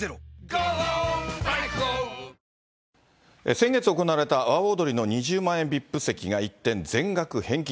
先月行われた阿波おどりの２０万円ＶＩＰ席が一転、全額返金